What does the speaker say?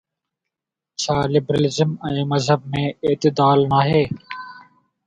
ڇا لبرلزم ۽ مذهب ۾ اعتدال ناهي؟